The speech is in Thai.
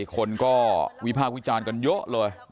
คนก็วิพากุฎจานกันเยอะเลย